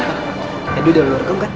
gimana edu udah udah rekam kan